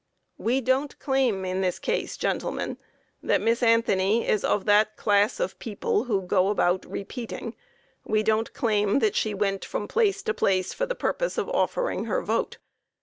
We don't claim in this case, gentlemen, that Miss Anthony is of that class of people who go about "repeating." We don't claim that she went from place to place for the purpose of offering her vote.